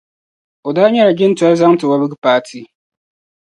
O daa nyɛla jintɔra zaŋti wɔbigu paati.